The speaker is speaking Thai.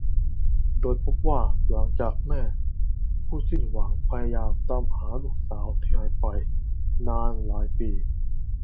โดยพบว่าหลังจากแม่ผู้สิ้นหวังพยายามตามหาลูกสาวที่หายตัวไปมานานหลายปี